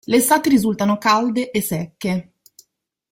Le estati risultano calde e secche.